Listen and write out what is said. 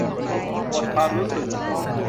หมดความรู้สึก